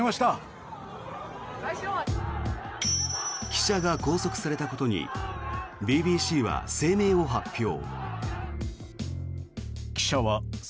記者が拘束されたことにＢＢＣは声明を発表。